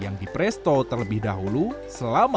yang dipresto terlebih dahulu selama tiga puluh menit sebelum dimasak